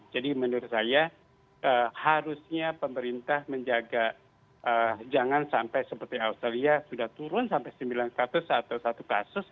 jadi menurut saya harusnya pemerintah menjaga jangan sampai seperti australia sudah turun sampai sembilan ratus atau satu kasus